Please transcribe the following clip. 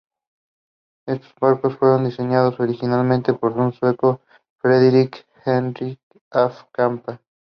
Estos barcos fueron diseñados originalmente por un sueco, Fredrik Henrik af Chapman.